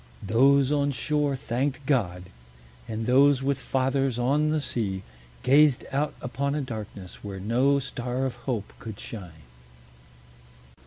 Those on shore thanked God; and those with fathers on the sea gazed out upon a darkness where no star of hope could shine.